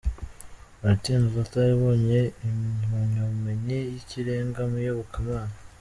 Martin Luther yabonye impamyabumenyi y’ikirenga mu iyobokamana.